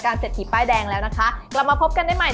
การเสร็จหี่ป้ายแดงแล้วนะคะเรามาพบกันได้ใหม่